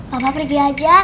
papa pergi aja